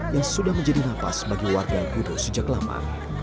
yang sudah menjadi napas bagi warga yang gudo sejak lama